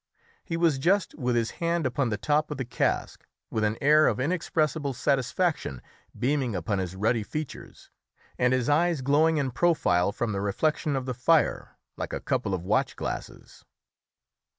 He was just with his hand upon the top of the cask, with an air of inexpressible satisfaction beaming upon his ruddy features, and his eyes glowing in profile, from the reflection of the fire, like a couple of watch glasses.